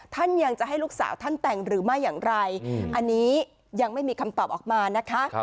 ท่านยังจะให้ลูกสาวท่านแต่งหรือไม่อย่างไรอันนี้ยังไม่มีคำตอบออกมานะคะ